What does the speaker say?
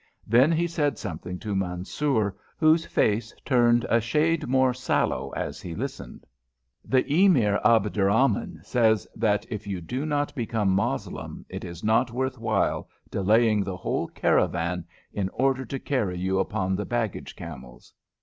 Then he said something to Mansoor, whose face turned a shade more sallow as he listened. "The Emir Abderrahman says that if you do not become Moslem, it is not worth while delaying the whole caravan in order to carry you upon the baggage camels.